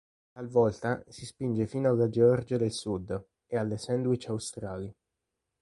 Talvolta si spinge fino alla Georgia del Sud e alle Sandwich Australi.